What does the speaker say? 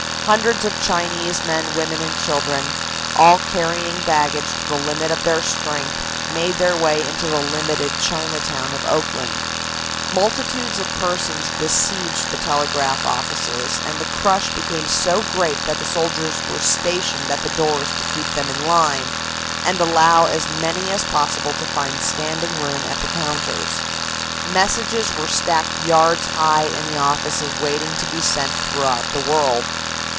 Hundreds of Chinese men, women and children, all carrying baggage to the limit of their strength, made their way into the limited Chinatown of Oakland. Multitudes of persons besieged the telegraph offices, and the crush became so great that soldiers were stationed at the doors to keep them in line and allow as many as possible to find standing room at the counters. Messages were stacked yards high in the offices waiting to be sent throughout the world.